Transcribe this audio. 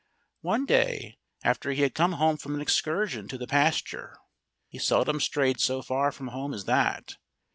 One day after he had come home from an excursion to the pasture (he seldom strayed so far from home as that!)